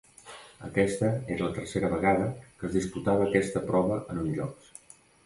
Aquesta era la tercera vegada que es disputava aquesta prova en uns Jocs.